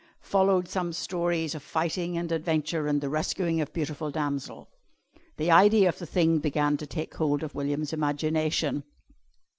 Followed some stories of fighting and adventure and the rescuing of beautiful damsels. The idea of the thing began to take hold of William's imagination.